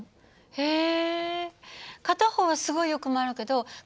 へえ。